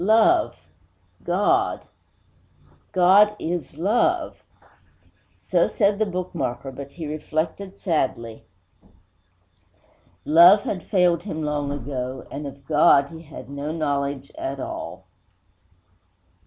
_ Love! God! God is Love! So said the bookmarker; but, he reflected sadly, love had failed him long ago, and of God he had no knowledge at all.